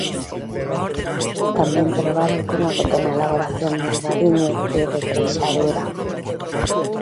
Tamén probaron cunha pequena elaboración de Albariño e de Treixadura.